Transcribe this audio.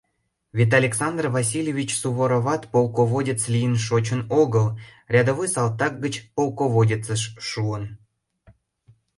Вет Александр Васильевич Сувороват полководец лийын шочын огыл, рядовой салтак гыч полководецыш шуын.